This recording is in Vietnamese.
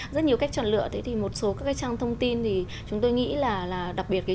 rất nhiều cách chọn lựa thế thì một số các cái trang thông tin thì chúng tôi nghĩ là đặc biệt là trang